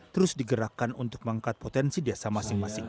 terus digerakkan untuk mengangkat potensi desa masing masing